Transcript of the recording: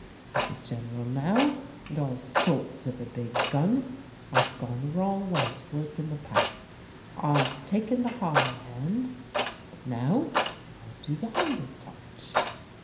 He's a General now, and all sorts of a big gun. I've gone the wrong way to work in the past. I've taken the high hand, but now, I'll do the humble touch."